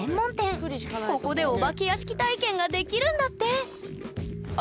ここでお化け屋敷体験ができるんだって！